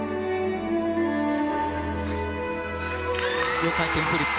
４回転フリップ。